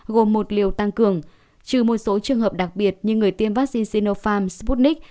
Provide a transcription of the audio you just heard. gồm một liều tăng cường trừ một số trường hợp đặc biệt như người tiêm vaccine sinopharm sputnik